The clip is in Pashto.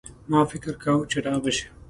ما فکر کاوه چي رابه شي.